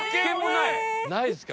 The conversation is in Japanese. ないですか。